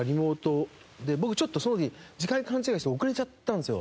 僕その日時間勘違いして遅れちゃったんですよ。